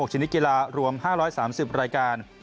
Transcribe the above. ชนิดกีฬารวม๕๓๐รายการ